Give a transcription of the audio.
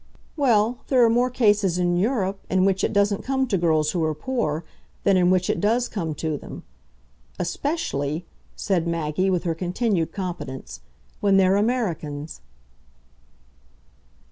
"Well, there are more cases, in Europe, in which it doesn't come to girls who are poor than in which it does come to them. Especially," said Maggie with her continued competence, "when they're Americans."